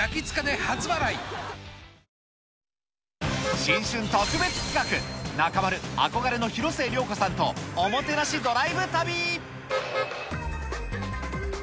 新春特別企画、中丸、憧れの広末涼子さんとおもてなしドライブ旅。